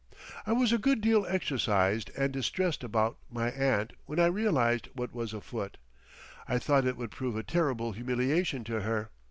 I was a good deal exercised and distressed about my aunt when I realised what was afoot. I thought it would prove a terrible humiliation to her.